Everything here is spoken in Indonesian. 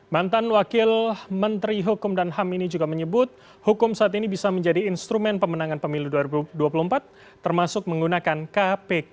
mantan wakil menteri hukum dan ham ini juga menyebut hukum saat ini bisa menjadi instrumen pemenangan pemilu dua ribu dua puluh empat termasuk menggunakan kpk